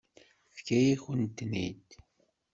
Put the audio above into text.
Tefka-yakent-ten-id.